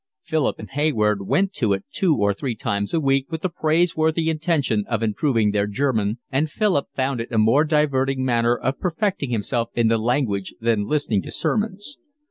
Philip and Hayward went to it two or three times a week with the praiseworthy intention of improving their German, and Philip found it a more diverting manner of perfecting himself in the language than listening to sermons.